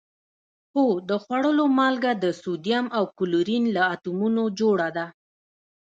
هو د خوړلو مالګه د سوډیم او کلورین له اتومونو جوړه ده